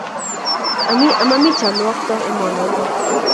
Ama mi chalwokto, emonoto